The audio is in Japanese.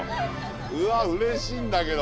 うわうれしいんだけど。